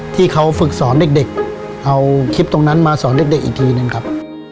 ที่เขาฝึกสอนเด็กเอาคลิปตรงนั้นมาสอนเด็กอีกทีนึงครับ